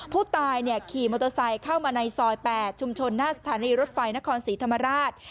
ผู้ตายขี่มอเตอร์ไซค์เข้ามาในซอย๘ชุมชนหน้าสถานีรถไฟนครศรีธรรมราช